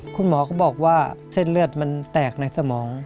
คุณหมอก็บอกว่าเส้นเลือดมันแตกในสมอง